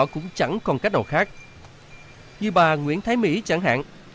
cách nào khác như bà nguyễn thái mỹ chẳng hạn